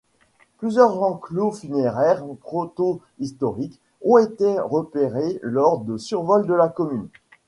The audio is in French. Plusieurs enclos funéraires protohistoriques ont été repérés lors de survols de la commune.